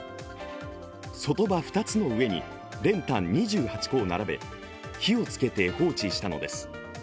そとば２つの上に練炭２８個を並べ、火をつけて放置したのです。